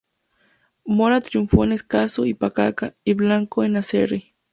Mora triunfó en Escazú y Pacaca, y Blanco en Aserrí.